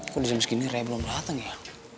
kok jam segini raya belum dateng ya